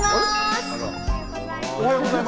おはようございます。